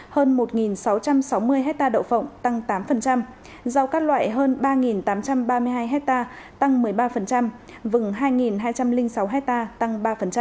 hơn một sáu trăm sáu mươi hectare đậu phộng tăng tám rau các loại hơn ba tám trăm ba mươi hai hectare tăng một mươi ba vừng hai hai trăm linh sáu hectare tăng ba